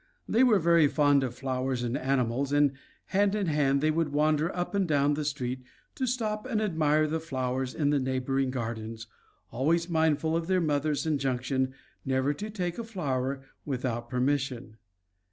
They were very fond of flowers and animals, and, hand in hand, would wander up and down the street to stop and admire the flowers in the neighboring gardens, always mindful of their mother's injunction never to take a flower without permission.